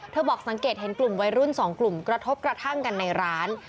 บอกสังเกตเห็นกลุ่มวัยรุ่นสองกลุ่มกระทบกระทั่งกันในร้าน